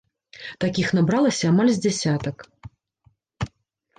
Такіх набралася амаль з дзясятак.